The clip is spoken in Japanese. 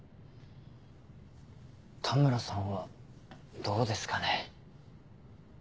田村さんはどうですかね。